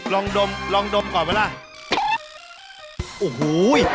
ลองดมลองดมก่อนเวลาโอ้โฮ